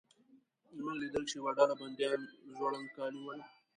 موږ لیدل چې یوه ډله بندیان زوړند کالي ول.